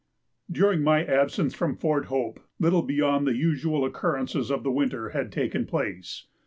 During my absence from Fort Hope little beyond the usual occurrences of the winter had taken place.